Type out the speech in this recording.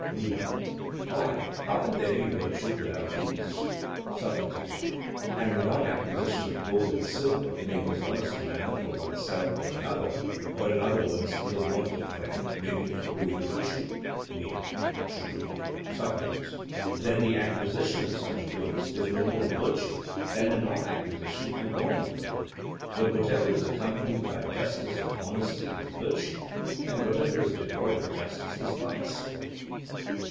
MENO: Why, how can there be virtue without these? SOCRATES: And the non acquisition of gold and silver in a dishonest manner for oneself or another, or in other words the want of them, may be equally virtue? MENO: True. SOCRATES: Then the acquisition of such goods is no more virtue than the non acquisition and want of them, but whatever is accompanied by justice or honesty is virtue, and whatever is devoid of justice is vice.